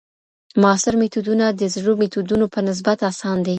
معاصر میتودونه د زړو میتودونو په نسبت اسان دي.